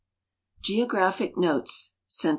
GEOGRAPHIC NOTES CENTH.